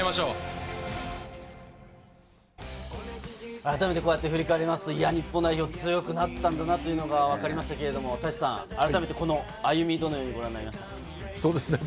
改めて振り返りますと、日本代表、強くなったんだなというのがわかりましたけれど、舘さん、改めて歩み、どのようにご覧になりましたか？